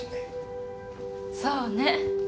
そうね。